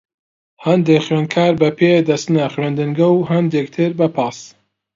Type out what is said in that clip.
هەندێک خوێندکار بە پێ دەچنە خوێندنگە، و هەندێکی تر بە پاس.